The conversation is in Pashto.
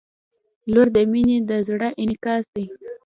• لور د مینې د زړه انعکاس دی.